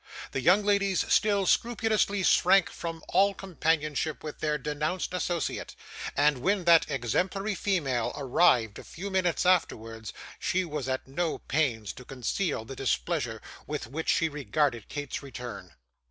The young ladies still scrupulously shrunk from all companionship with their denounced associate; and when that exemplary female arrived a few minutes afterwards, she was at no pains to conceal the displeasure with which she regarded Kate's return.